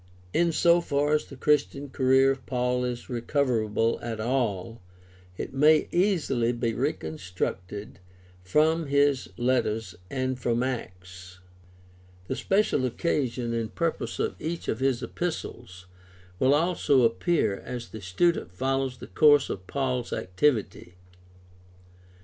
— In so far as the Christian career of Paul is recoverable at all, it may easily be recon structed from his letters and from Acts. The special occasion and purpose of each of his epistles will also appear as the student follows the course of Paul's activity.